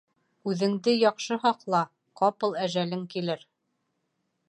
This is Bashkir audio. Үҙеңде яҡшы һаҡла: ҡапыл әжәлең килер.